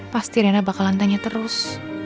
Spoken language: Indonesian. pasti rena bakalan tanya terus